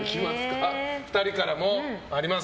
２人からもあります